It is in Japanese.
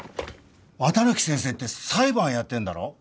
綿貫先生って裁判やってんだろ？